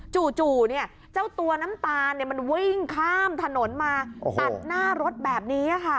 จู่เจ้าตัวน้ำตาลมันวิ่งข้ามถนนมาตัดหน้ารถแบบนี้ค่ะ